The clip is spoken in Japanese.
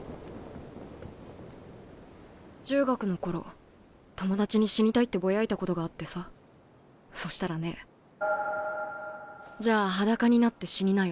中学の頃友達に「死にたい」ってぼやいたことがあってさそしたらね「じゃあ裸になって死になよ」